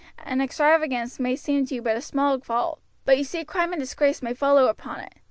An extravagance may seem to you but a small fault, but you see crime and disgrace may follow upon it.